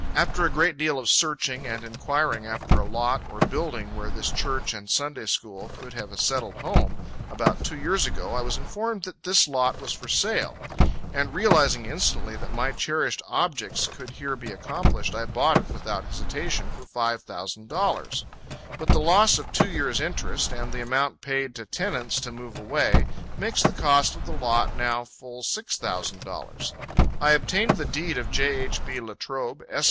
After a great deal of searching and enquiring after a lot or building, where this Church and Sunday school could have a settled home, about two years ago, I was informed that this lot was for sale; and realizing instantly that my cherished objects could here be accomplished I bought it without hesitation, for five thousand dollars; but the loss of two years' interest and the amount paid to tenants to move away, makes the cost of the lot now full six thousand dollars. I obtained the deed of J. H. B. Latrobe, Esq.